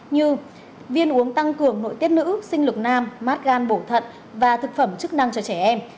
như viên uống tăng cường nội tiết nữ sinh lực nam mát gan bổ thận và thực phẩm chức năng cho trẻ em